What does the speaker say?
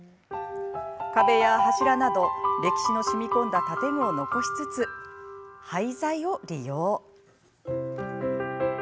壁や柱など歴史のしみ込んだ建具を残しつつ廃材を利用。